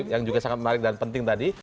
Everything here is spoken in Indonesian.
yang juga sangat menarik dan penting tadi